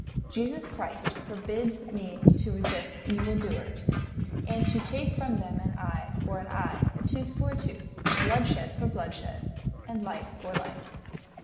"Jesus Christ forbids me to resist evil doers, and to take from them an eye for an eye, a tooth for a tooth, bloodshed for bloodshed, and life for life.